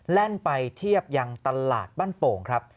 แล่นไปเทียบยังตลาดบ้านโป่งครับ